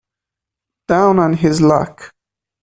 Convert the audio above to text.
Down on his luck.